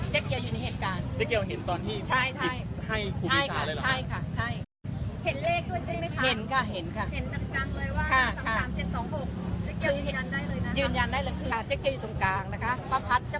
เกียวอยู่ในเหตุการณ์เจ๊เกียวเห็นตอนที่ใช่ค่ะ